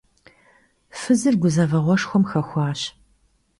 Fızıjır guzeveğueşşxuem xexuaş.